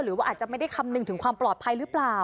หรือว่าอาจจะไม่ได้คำนึงถึงความปลอดภัยหรือเปล่า